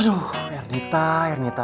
aduh ernita ernita